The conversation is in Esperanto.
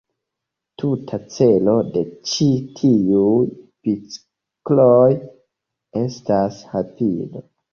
Tuta celo de ĉi tiuj bicikloj estas rapido.